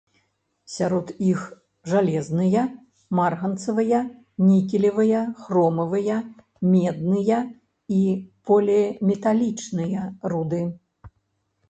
Сярод іх жалезныя, марганцавыя, нікелевыя, хромавыя, медныя і поліметалічныя руды.